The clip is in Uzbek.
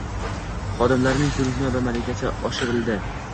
Xodimlarning ko‘nikma va malakasi oshirilding